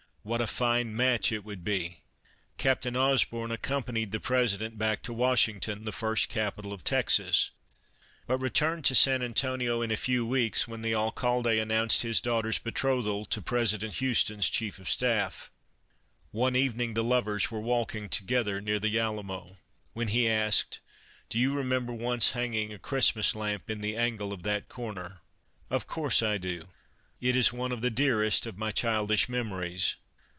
What a fine match it would be !" Captain Osborn accompanied the President back to Washington, the first Capital of Texas, but returned to San Antonio in a few weeks, when the Alcalde announced his daughter's betrothal to President Houston's Chief of Staff. One evening the lovers were walking together near the Alamo when he asked :" Do you remem ber once hanging a Christmas lamp in the angle of that corner? "" Of course I do. It is one of the dearest of my childish memories."